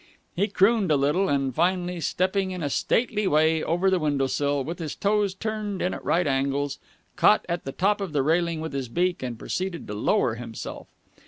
He crooned a little, and finally, stepping in a stately way over the window sill, with his toes turned in at right angles, caught at the top of the railing with his beak, and proceeded to lower himself.